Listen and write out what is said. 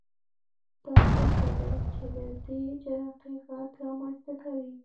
دا څه شی دی چې د دې جرقې غږ رامنځته کوي؟